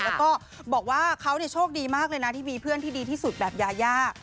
แล้วก็บอกว่าเขาโชคดีมากเลยนะที่มีเพื่อนที่ดีที่สุดแบบยายา